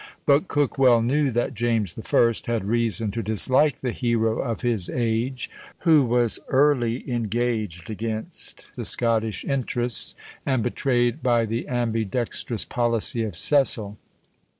But Coke well knew that James the First had reason to dislike the hero of his age, who was early engaged against the Scottish interests, and betrayed by the ambidexterous policy of Cecil.